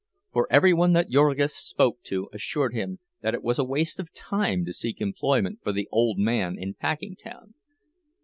For every one that Jurgis spoke to assured him that it was a waste of time to seek employment for the old man in Packingtown.